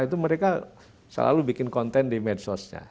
itu mereka selalu bikin konten di medsosnya